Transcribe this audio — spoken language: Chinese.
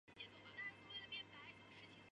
宪章的第二部分列出保障人权的基本原则。